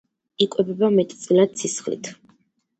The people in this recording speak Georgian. იკვებება მეტწილად სისხლით.